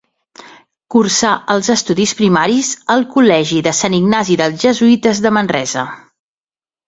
Cursà els estudis primaris al Col·legi de Sant Ignasi dels Jesuïtes de Manresa.